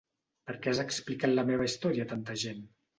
Per què has explicat la meva història a tanta gent?